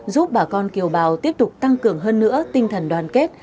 giúp bà con kiều bào tiếp tục tăng cường hơn nữa tinh thần đoàn kết